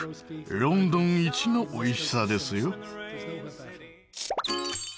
ロンドンいちのおいしさですよ。